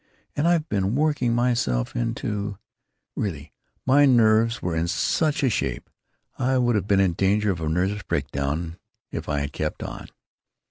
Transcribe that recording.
And I've been working myself into——Really, my nerves were in such a shape, I would have been in danger of a nervous breakdown if I had kept on.